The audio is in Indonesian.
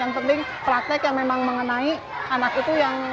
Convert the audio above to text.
yang penting praktek yang memang mengenai anak itu yang